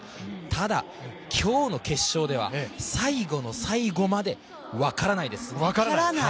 ただ、今日の決勝では最後の最後まで分からないです。